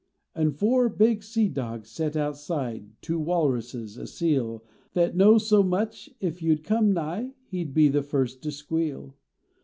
An four big sea dogs set outside Two walruses, a seal That knows so much if you d come nigh He d be the first to squeal.